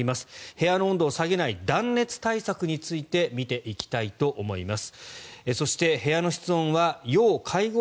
部屋の温度を下げない断熱対策について見ていきたいと思います。